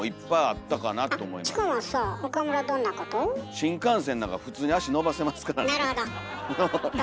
新幹線なんか普通に足伸ばせますからね。